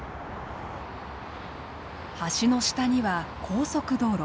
橋の下には高速道路。